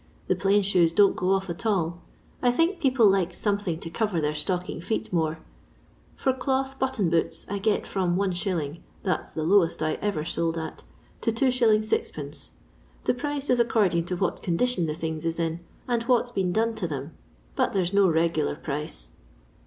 The plain shoes don*t go off at all. I think people likes something to cover their stocking feet more. For cloth button boots I get from Is. — that 's the lowest I ever sold at — to 2s. 6d, The price is according to what condi tion the things is in, and what 's been done to them, but there 's no regular price.